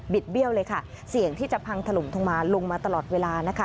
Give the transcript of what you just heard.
ดเบี้ยวเลยค่ะเสี่ยงที่จะพังถล่มลงมาลงมาตลอดเวลานะคะ